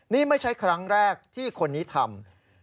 นี่ไม่ใช่ครั้งแรกที่คนนี้ทำ